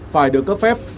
phải được cấp phép